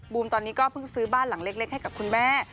ตอนนี้ก็เพิ่งซื้อบ้านหลังเล็กให้กับคุณแม่